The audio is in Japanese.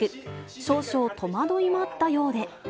少々戸惑いもあったようで。